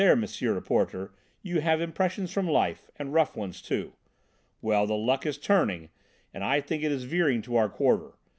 Reporter, you have impressions from life, and rough ones, too! Well, the luck is turning, and I think it is veering to our quarter.